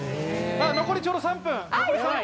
残りちょうど３分！